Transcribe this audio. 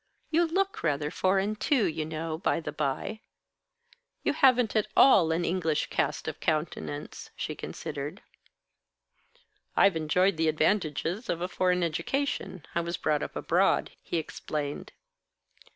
You look rather foreign, too, you know, by the bye. You haven't at all an English cast of countenance," she considered. "I've enjoyed the advantages of a foreign education. I was brought up abroad," he explained.